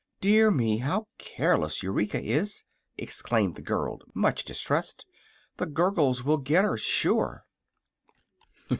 "Dear me! how careless Eureka is," exclaimed the girl, much distressed. "The Gurgles will get her, sure!"